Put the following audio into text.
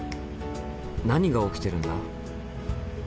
何が起きてるんだ？